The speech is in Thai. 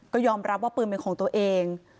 ก็ยอมรับว่าปืนเป็นของตัวเอง